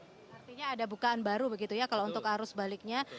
jadi ini ada bukaan baru begitu ya kalau untuk arus baliknya